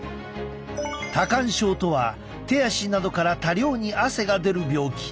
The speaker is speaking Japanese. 多汗症とは手足などから多量に汗が出る病気。